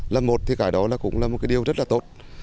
là một thì cái đó là cũng là một cái điều rất là tốt